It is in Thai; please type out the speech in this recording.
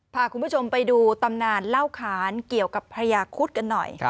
พาคุณผู้ชมไปดูตำนานเล่าขานกับพญาครุฑกันหน่อย